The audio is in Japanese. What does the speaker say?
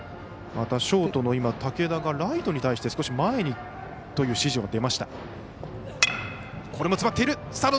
またショートの武田がライトに対して少し前にという指示。